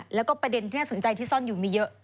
แล้วก็ประเด็นที่น่าสนใจที่ซ่อนอยู่มีเยอะ